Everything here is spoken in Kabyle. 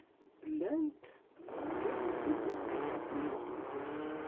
Llant ggarent-d lbaṭel ɣef medden.